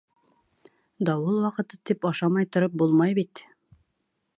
Дауыл ваҡыты тип ашамай тороп булмай бит!